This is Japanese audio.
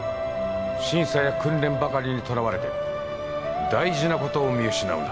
審査や訓練ばかりにとらわれて大事なことを見失うな。